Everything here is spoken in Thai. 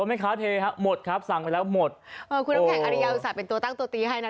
แม่ค้าเทฮะหมดครับสั่งไปแล้วหมดเออคุณน้ำแข็งอริยาอุตส่าห์เป็นตัวตั้งตัวตีให้นะ